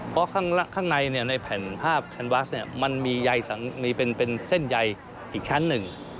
เพราะข้างในในแผ่นภาพแคนวาสเนี่ยมันมีใยเป็นเส้นใยอีกชั้นหนึ่ง